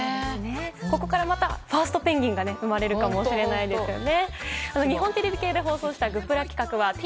ここからまたファーストペンギンが生まれるかもしれませんね。